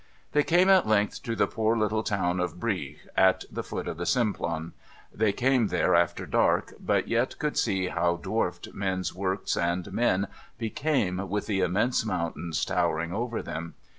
They came, at length, to the poor little town of Brieg, at the foot of the Simplon. They came there after dark, but yet could see how dwarfed men's works and men became with the immense mountains towering over them.